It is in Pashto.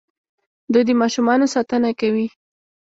دوی د ماشومانو ساتنه کوي.